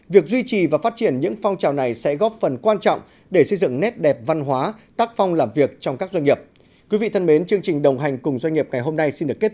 việc duy trì và phát triển những phong trào này sẽ góp phần quan trọng để xây dựng nét đẹp văn hóa tác phong làm việc trong các doanh nghiệp